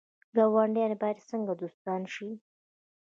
ګاونډیان باید څنګه دوستان شي؟